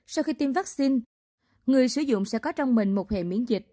sau khi tiêm vaccine người sử dụng sẽ có trong mình một hệ miễn dịch